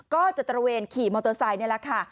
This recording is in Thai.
ก็จะตระเวนขี่มอเตอร์ไซค์นี่แหละค่ะ